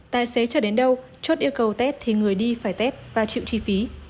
tài xế cho đến đâu chốt yêu cầu tết thì người đi phải tết và chịu chi phí